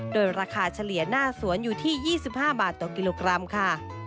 โดยราคาเฉลี่ยหน้าสวนอยู่ที่๒๕บาทต่อกิโลกรัมค่ะ